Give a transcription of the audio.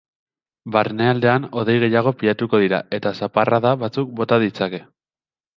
Barnealdean hodei gehiago pilatuko dira eta zaparrada batzuk bota ditzake.